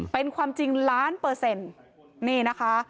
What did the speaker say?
เป็นความจริงล้านเปอร์เซ็นต์นี่นะคะ